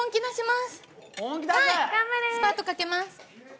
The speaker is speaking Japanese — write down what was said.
スパートかけます。